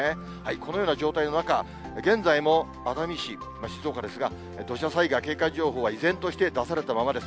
このような状態の中、現在も熱海市、静岡ですが、土砂災害警戒情報が依然として出されたままです。